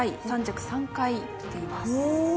３着３回きています。